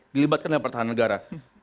dilibatkan dengan pertahanan negara